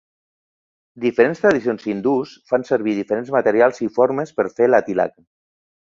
Diferents tradicions hindús fan servir diferents materials i formes per fer la tilaka.